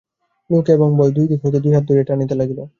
লোভ এবং ভয় দুই দিক হইতে দুই হাত ধরিয়া টানিতে লাগিল।